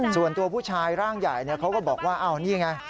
ส่วนตัวผู้ชายร่างใหญ่เขาก็บอกว่าอ้าวนี่ไง